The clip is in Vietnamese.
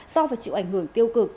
so với chịu ảnh hưởng tiêu cực